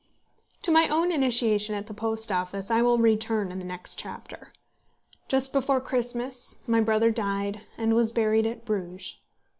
To my own initiation at the Post Office I will return in the next chapter. Just before Christmas my brother died, and was buried at Bruges.